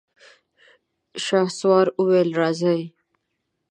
شهسوار وويل: راځئ!